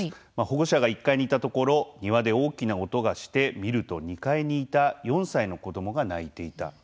保護者が１階にいたところ庭で大きな音がして見ると２階にいた４歳の子どもが泣いていた。